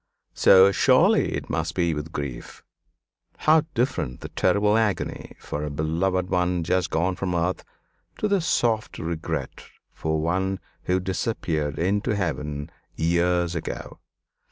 "So surely it must be with grief: how different the terrible agony for a beloved one just gone from earth, to the soft regret for one who disappeared into heaven years ago!